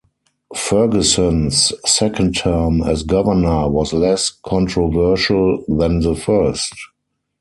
Ferguson's second term as governor was less controversial than the first.